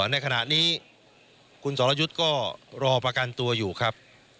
ในขณะนี้คุณสรยุทธ์ก็รอประกันตัวอยู่ครับ